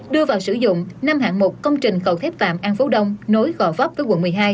đưa vào sử dụng năm hạng một công trình cầu thép tạm an phố đông nối gò vấp với quận một mươi hai